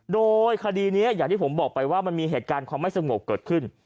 โดยคดีนี้อย่างที่ผมบอกไปว่ามันมีเหตุการณ์ความไม่สงบเกิดขึ้น